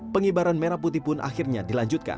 pengibaran merah putih pun akhirnya dilanjutkan